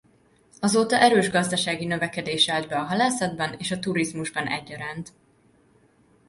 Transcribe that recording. Azóta erős gazdasági növekedés állt be a halászatban és a turizmusban egyaránt.